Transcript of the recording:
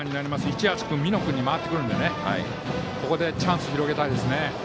市橋君、美濃君に回ってきますのでここでチャンスを広げたいですね。